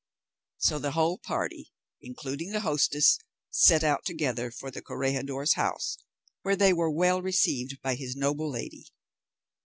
So the whole party, including the hostess, set out together for the corregidor's house, where they were well received by his noble lady.